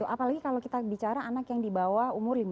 apalagi kalau kita bicara anak yang dibawa